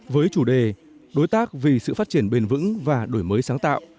với chủ đề đối tác vì sự phát triển bền vững và đổi mới sáng tạo